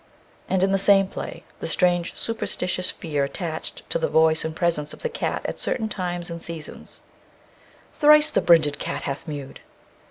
and in the same play the strange superstitious fear attached to the voice and presence of the cat at certain times and seasons: Thrice the brinded cat hath mewed.